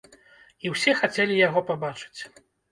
І ўсе хацелі яго пабачыць.